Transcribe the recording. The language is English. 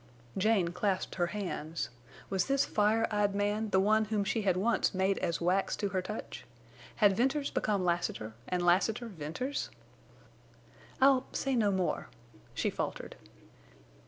Jane clasped her hands. Was this fire eyed man the one whom she had once made as wax to her touch? Had Venters become Lassiter and Lassiter Venters? "I'll—say no more," she faltered.